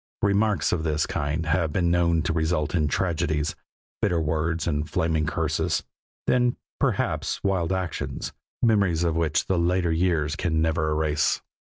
Remarks of this kind have been known to result in tragedies, bitter words and flaming curses then, perhaps, wild actions, memories of which the later years can never erase.